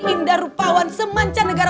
indah rupawan semanca negara